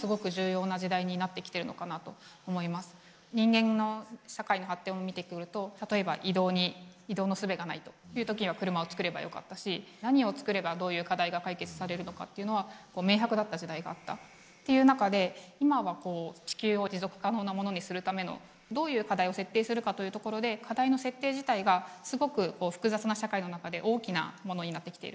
人間の社会の発展を見てくると例えば移動のすべがないという時には車を作ればよかったし何を作ればどういう課題が解決されるのかっていうのは明白だった時代があったという中で今は地球を持続可能なものにするためのどういう課題を設定するかというところで課題の設定自体がすごく複雑な社会の中で大きなものになってきている。